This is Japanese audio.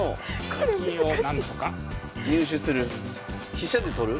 飛車で取る？